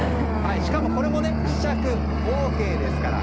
しかも、これも試着ＯＫですから。